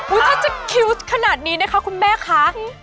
ถ้าจะคิ้วขนาดนี้นะคะคุณแม่คะ